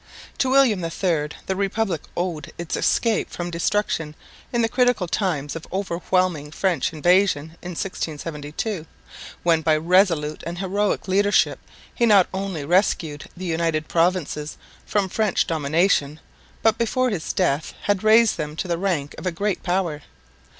To William III the Republic owed its escape from destruction in the critical times of overwhelming French invasion in 1672, when by resolute and heroic leadership he not only rescued the United Provinces from French domination, but before his death had raised them to the rank of a great power.